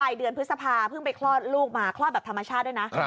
เดือนพฤษภาเพิ่งไปคลอดลูกมาคลอดแบบธรรมชาติด้วยนะ